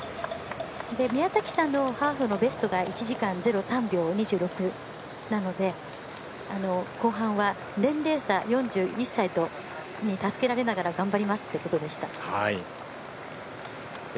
宮崎さんのハーフのベストが１時間０３秒２６なので後半は、年齢差４１歳に助けられながら頑張りますということでした。